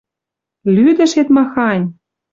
Лӱдӹшет махань!